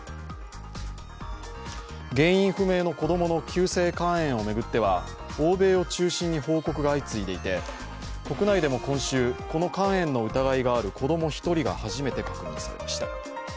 原因不明の子供の急性肝炎を巡っては欧米を中心に報告が相次いでいて国内でも今週、この肝炎の疑いがある子供１人が初めて確認されました。